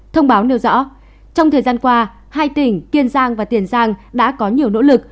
thông báo nêu rõ trong thời gian qua hai tỉnh kiên giang và tiền giang đã có nhiều nỗ lực